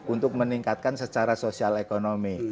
untuk meningkatkan secara sosial ekonomi